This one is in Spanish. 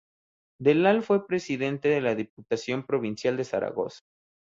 Del al fue Presidenta de la Diputación Provincial de Zaragoza.